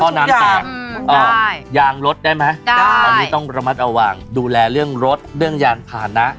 น้ำตาลยางรถได้ไหมอันนี้ต้องระมัดระวังดูแลเรื่องรถเรื่องยานพานะ